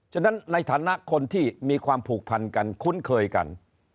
ฉะนั้นในฐานะคนที่มีความผูกพันกันคุ้นเคยกัน